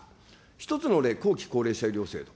１つの例、後期高齢者医療制度。